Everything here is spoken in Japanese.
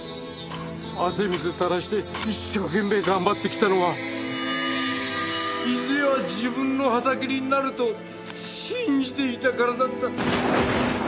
汗水垂らして一生懸命頑張ってきたのはいずれは自分の畑になると信じていたからだった！